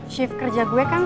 shift kerja gue kan